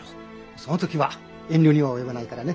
その時は遠慮には及ばないからね。